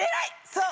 そう！